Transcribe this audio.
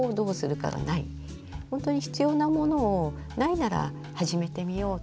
本当に必要なものをないなら始めてみよう。